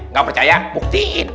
gak percaya buktiin